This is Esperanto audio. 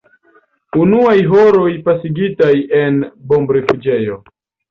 Unuaj horoj, pasigitaj en bombrifuĝejo.